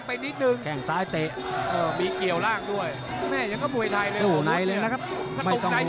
ปิดแข่งขวาได้ไหม